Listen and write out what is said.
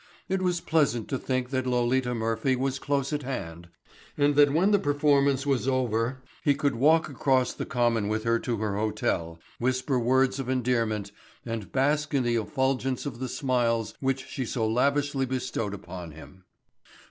It was pleasant to think that Lolita Murphy was close at hand and that when the performance was over he could walk across the Common with her to her hotel, whisper words of endearment, and bask in the effulgence of the smiles which she so lavishly bestowed upon him.